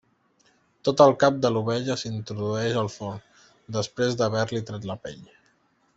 Tot el cap de l'ovella s'introdueix al forn, després d'haver-li tret la pell.